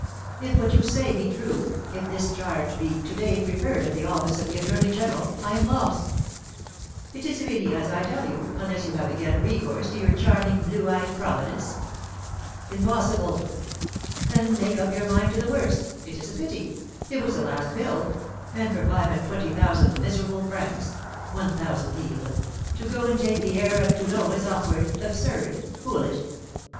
If what you say be true, if this charge be to day preferred at the office of the attorney general, I am lost!" "It is really as I tell you, unless you have again recourse to your charming, blue eyed Providence." "Impossible!" "Then make up your mind to the worst. It is a pity; it was the last bill; and for five and twenty thousand miserable francs (1,000_l._) to go and take the air at Toulon is awkward, absurd, foolish!